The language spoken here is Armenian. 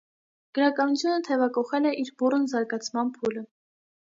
Գրականությունը թևակոխել է իր բուռն զարգացման փուլը։